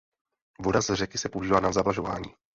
Voda z řeky se používá na zavlažování.